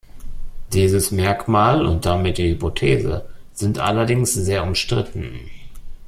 Dieses Merkmal und damit die Hypothese sind allerdings sehr umstritten.